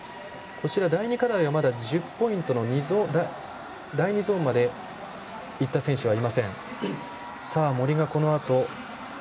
第２課題はまだ１０ポイントの第２ゾーンまでいった選手はいません。